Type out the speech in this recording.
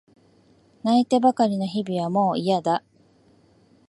泣いてばかりの日々はもういやだ。